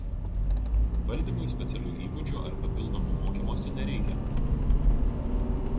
Valdymui specialių įgūdžių ar papildomo mokymosi nereikia.